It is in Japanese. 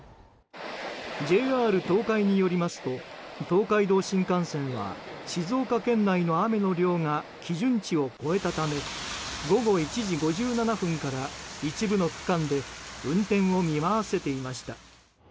ＪＲ東海によりますと東海道新幹線は静岡県内の雨の量が基準値を超えたため午後１時５７分から一部の区間で運転を見合わせていました。